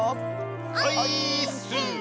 オイーッス！